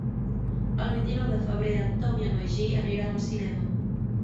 El vint-i-nou de febrer en Tom i en Magí aniran al cinema.